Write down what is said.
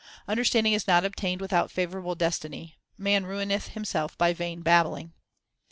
Understanding is not obtained without favourable destiny; man ruineth himself by vain babbling.